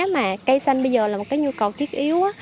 mà cây xanh bây giờ là một cái nhu cầu thiết yếu